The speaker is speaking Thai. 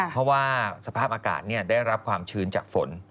เพราะว่าสภาพอากาศได้รับความชื้นจากฝน